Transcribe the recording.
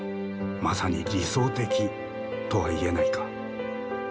まさに理想的とは言えないか。